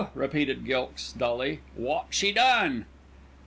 repeated Gilkes dully. "Wot she done?"